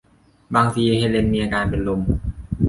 บางที เฮเลนมีอาการเป็นลม